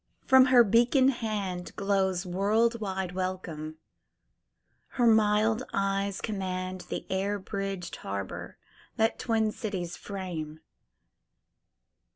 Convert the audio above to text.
From her beacon handGlows world wide welcome; her mild eyes commandThe air bridged harbour that twin cities frame.